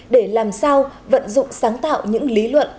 để làm sao vận dụng sáng tạo những lý luận